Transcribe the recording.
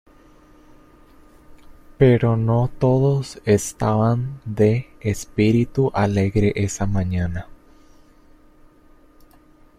Pero no todos estaban de espíritu alegre esa mañana.